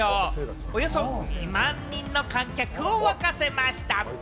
およそ２万人の観客を沸かせました。